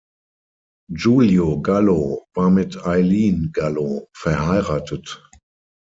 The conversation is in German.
Julio Gallo war mit Aileen Gallo verheiratet.